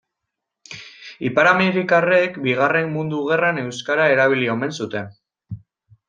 Ipar-amerikarrek Bigarren Mundu Gerran euskara erabili omen zuten.